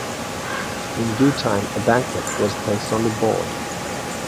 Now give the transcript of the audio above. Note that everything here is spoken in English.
In due time a banquet was placed on the board.